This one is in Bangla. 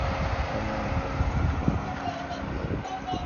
কাল মনের অন্তর্গত, দেশও মনের অন্তর্গত।